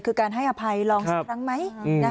คือการให้อภัยลองสักครั้งไหม